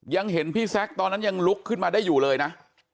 ยังเห็นพี่แซคตอนนั้นยังลุกขึ้นมาได้อยู่เลยนะ